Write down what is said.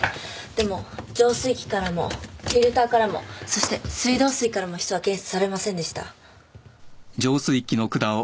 でも浄水器からもフィルターからもそして水道水からもヒ素は検出されませんでした。